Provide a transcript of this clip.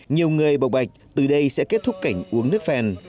nhiều người bộc bạch từ đây sẽ kết thúc cảnh uống nước phèn